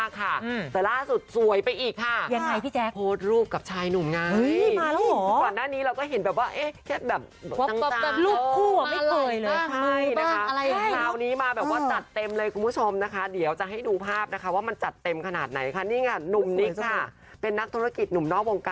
ครับผ่อนริมทะเลค่ะเดี๋ยวให้ดูภาพนะคะนี่มีความหวานเพิ่มเติม